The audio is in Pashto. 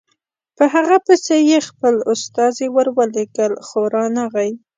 په هغه پسې یې خپل استازي ورولېږل خو رانغی.